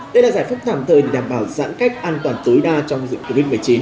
đây là giải pháp tạm thời để đảm bảo giãn cách an toàn tối đa trong dịch covid một mươi chín